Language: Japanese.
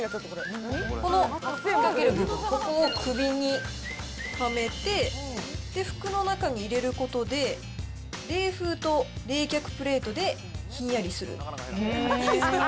この引っ掛ける部分、ここを首にはめて、服の中に入れることで、冷風と冷却プレートでひんやりする。